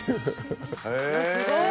すごい。